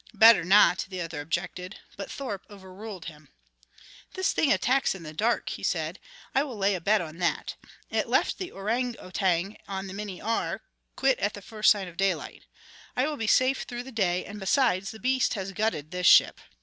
"Better not," the other objected; but Thorpe overruled him. "This thing attacks in the dark," he said. "I will lay a little bet on that. It left the orang outang on the Minnie R. quit at the first sign of daylight. I will be safe through the day, and besides, the beast has gutted this ship.